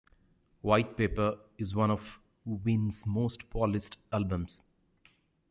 "White Pepper" is one of Ween's most polished albums.